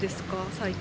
最近。